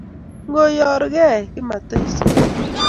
Ngoyorgei komatuisot